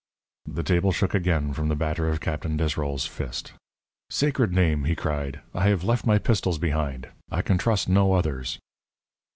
The table shook again from the batter of Captain Desrolles's fist. "Sacred name!" he cried; "I have left my pistols behind! I can trust no others."